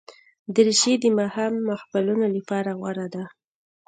دریشي د ماښام محفلونو لپاره غوره ده.